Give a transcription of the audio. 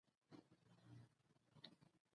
تېر کال د بی بی سي سره په مصاحبه کې